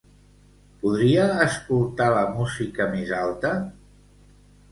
Podria escoltar la música més alta?